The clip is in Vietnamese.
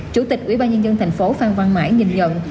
chủ tịch ủy ban nhân dân tp hcm phan quang mãi nhìn nhận